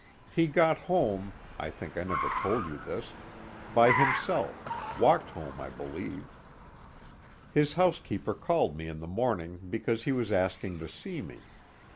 He got home I think I never told you this by himself, walked home I believe. His housekeeper called me in the morning because he was asking to see me.